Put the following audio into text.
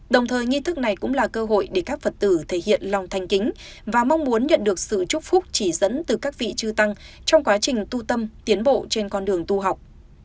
đồng thời nghi thức này cũng là cơ hội để các phật tử thể hiện lòng thanh kính và mong muốn nhận được sự trúc phúc chỉ dẫn từ các vị trư tăng trong quá trình tu tâm tiến bộ trên con đường tu học